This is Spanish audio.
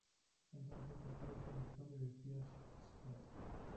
Entonces, aparece el ex-novio de Paige, Scott.